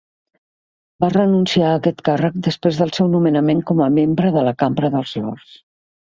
Va renunciar a aquest càrrec després del seu nomenament com a membre de la Cambra dels lords.